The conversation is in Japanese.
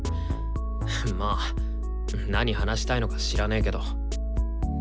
まあなに話したいのか知らねけど。